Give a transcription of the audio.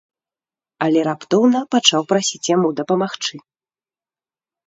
Але раптоўна пачаў прасіць яму дапамагчы.